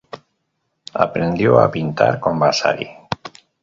Aprendió a pintar con Vasari.